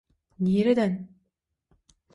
Nireden